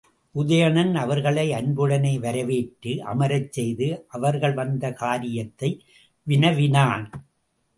உதயணன் அவர்களை அன்புடனே வரவேற்று அமரச் செய்து, அவர்கள் வந்த காரியத்தை வினாவினான்.